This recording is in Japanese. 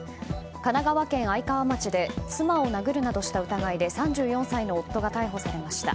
神奈川県愛川町で妻を殴るなどした疑いで３４歳の夫が逮捕されました。